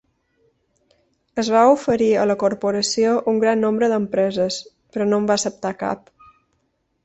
Es va oferir a la corporació un gran nombre d'empreses, però no en va acceptar cap.